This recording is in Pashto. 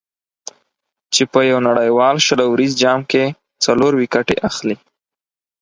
چې په یو نړیوال شل اوریز جام کې څلور ویکټې اخلي.